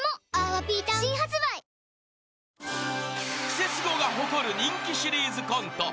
［『クセスゴ』が誇る人気シリーズコント］